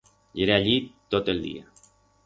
Yere allí tot el día.